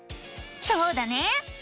そうだね！